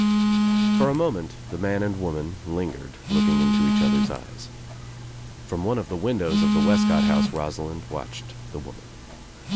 For a moment the man and woman lingered looking into each other's eyes. From one of the windows of the Wescott house Rosalind watched the woman.